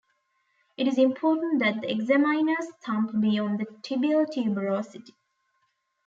It is important that the examiner's thumb be on the tibial tuberosity.